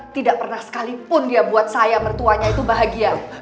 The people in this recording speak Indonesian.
tidak pernah sekalipun dia buat saya mertuanya itu bahagia